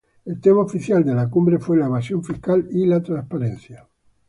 El tema oficial de la cumbre fue la evasión fiscal y la transparencia.